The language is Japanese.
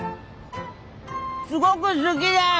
すごく好きです！